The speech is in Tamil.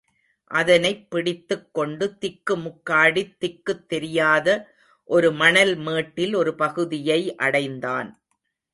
அதனைப் பிடித்துக் கொண்டு திக்கு முக்காடித் திக்குத் தெரியாத ஒரு மணல் மேட்டில் ஒரு பகுதியை அடைந்தான்.